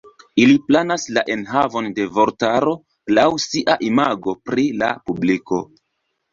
Ili planas la enhavon de vortaro laŭ sia imago pri la publiko.